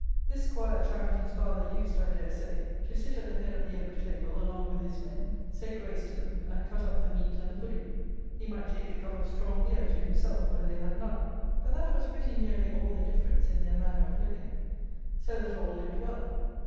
This 'Squire Charington's father used, I dare say, to sit at the head of the oak table along with his men, say grace to them, and cut up the meat and the pudding. He might take a cup of strong beer to himself, when they had none; but that was pretty nearly all the difference in their manner of living. So that all lived well.